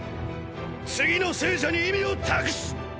次の生者に意味を託す！！